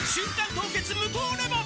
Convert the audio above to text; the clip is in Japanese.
凍結無糖レモン」